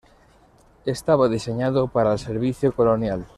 Estaba diseñado para el servicio colonial.